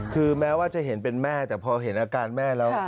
คือแม้ว่าจะเห็นเป็นแม่แต่พอเห็นอาการแม่แล้ว